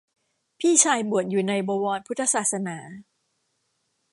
พี่ชายบวชอยู่ในบวรพุทธศาสนา